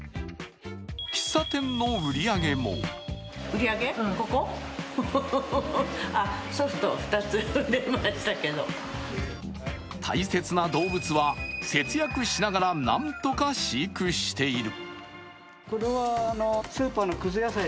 喫茶店の売り上げも大切な動物は節約しながら何とか飼育している。